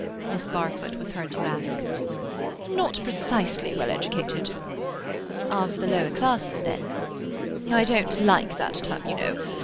Miss Barfoot was heard to ask. "Not precisely well educated." "Of the lower classes, then?" "I don't like that term, you know.